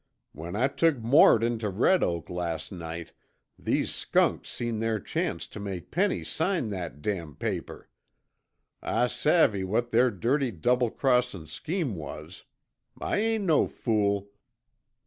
When I took Mort into Red Oak last night, these skunks seen their chance tuh make Penny sign that damned paper. I savvy what their dirty double crossin' scheme was. I ain't no fool.